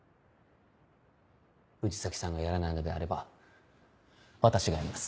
藤崎さんがやらないのであれば私がやります。